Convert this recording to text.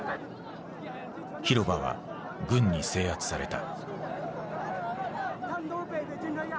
広場は軍に制圧された。